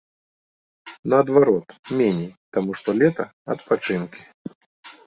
Наадварот, меней, таму што лета, адпачынкі.